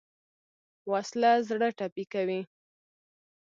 وسله زړه ټپي کوي